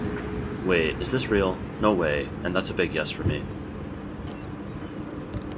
Wait, is this real? No way, and, that's a big yes for me.